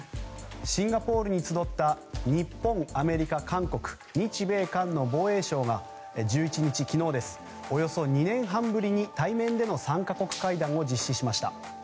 シンガポールに集った日本、アメリカ、韓国日米韓の防衛相が昨日１１日およそ２年半ぶりに対面での３か国会談を実施しました。